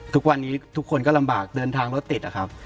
ทุกวันนี้ทุกคนก็ลำบากเดินทางรถติดนะครับ